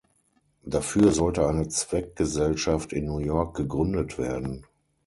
Dafür sollte eine Zweckgesellschaft in New York gegründet werden.